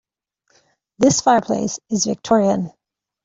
This fireplace is victorian.